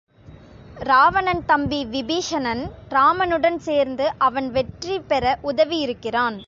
ராவணன் தம்பி விபீஷணன் ராமனுடன் சேர்ந்து அவன் வெற்றி பெற உதவியிருக்கிறான்.